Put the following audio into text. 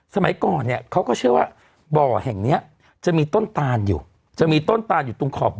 สมัยก่อนเนี่ยเขาก็เชื่อว่าบ่อแห่งนี้จะมีต้นตานอยู่